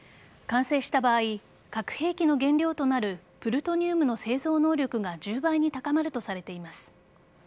完成した場合核兵器の原料となるプルトニウムの製造能力が１０倍に高まるとされています。